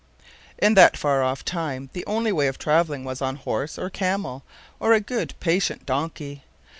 In that far off time the only way of traveling was on a horse, or a camel, or a good, patient donkey.